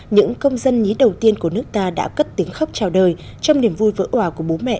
những công dân nhí đầu tiên của nước ta đã cất tiếng khóc chào đời trong niềm vui vỡ hòa của bố mẹ